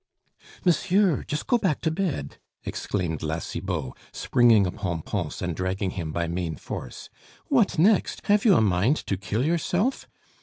"Monsieur! just go back to bed!" exclaimed La Cibot, springing upon Pons and dragging him by main force. "What next! Have you a mind to kill yourself?